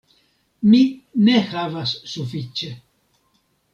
Mi ne havas sufiĉe.